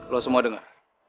lo semua denger